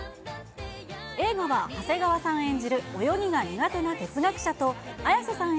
映画は長谷川さん演じる泳ぎが苦手な哲学者と、綾瀬さん